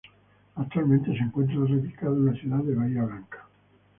Actualmente se encuentra radicado en la ciudad de Bahía Blanca.